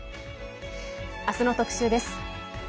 あすの特集です。